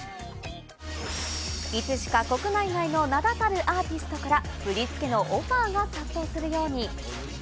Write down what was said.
いつしか国内外の名だたるアーティストから振り付けのオファーが殺到するように。